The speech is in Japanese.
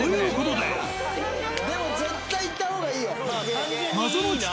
でも絶対行った方がいいよ。